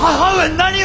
何を！